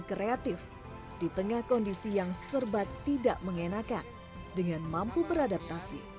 kreatif di tengah kondisi yang serba tidak mengenakan dengan mampu beradaptasi